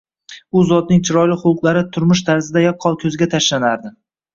U zotning chiroyli xulqlari turmush tarzida yaqqol ko‘zga tashlanardi